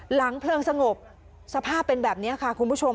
เพลิงสงบสภาพเป็นแบบนี้ค่ะคุณผู้ชม